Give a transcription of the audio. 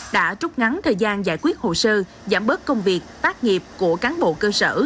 đã trút ngắn thời gian giải quyết hồ sơ giảm bớt công việc tác nghiệp của cán bộ cơ sở